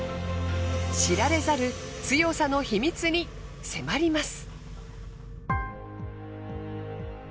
知られざる強さの秘密に迫ります。